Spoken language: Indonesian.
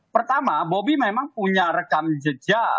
pertama bobi memang punya rekam jejak